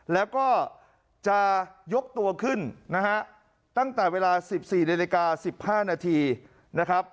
แล้วก็จะยกตัวขึ้นนะฮะตั้งแต่เวลา๑๔นาฬิกา๑๕นาทีนะครับ